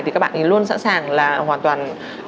thì các bạn thì luôn sẵn sàng là hoàn toàn